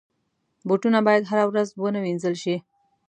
بوټونه باید هره ورځ ونه وینځل شي.